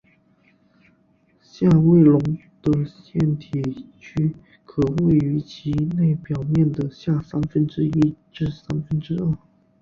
下位笼的腺体区可位于其内表面的下三分之一至三分之二。